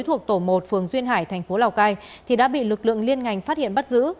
thuộc tổ một phường duyên hải thành phố lào cai thì đã bị lực lượng liên ngành phát hiện bắt giữ